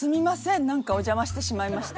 なんかお邪魔してしまいまして。